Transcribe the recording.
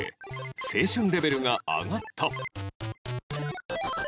青春レベルが上がった